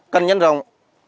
cần nhân rồng